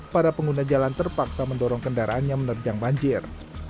para pengguna jalan terpaksa mendorong kendaraannya menerjang banjir